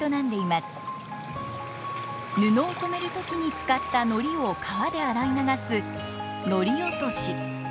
布を染める時に使った糊を川で洗い流す糊落とし。